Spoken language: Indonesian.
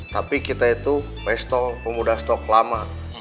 tapi kita itu pistol pemuda stok lama